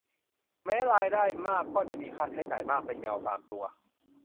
แม้รายได้มากก็จะมีค่าใช้จ่ายมากเป็นเงาตามตัว